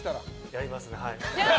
やりますね、はい。